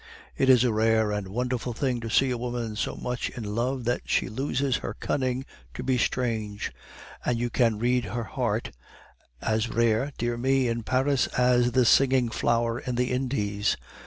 It is a rare and wonderful thing to see a woman so much in love that she loses her cunning to be strange, and you can read her heart; as rare (dear me!) in Paris as the Singing Flower in the Indies.